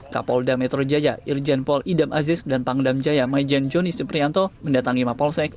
kapolda metro jaya irjen pol idam aziz dan pangdam jaya maijen joni suprianto mendatangi mapolsek